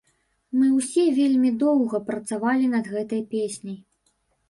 Мы ўсе вельмі доўга працавалі над гэтай песняй.